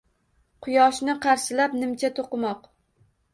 Quyoshni qarshilab nimcha toʼqimoq.